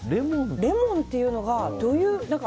レモンっていうのが、どういう。